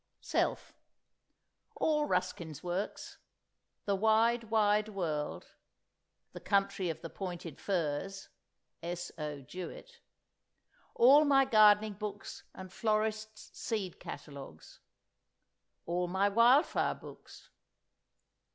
SELF. All Ruskin's Works. "The Wide, Wide World." "The Country of the Pointed Firs." S. O. Jewett. All my Gardening Books and Florists' Seed Catalogues. All my Wild Flower Books.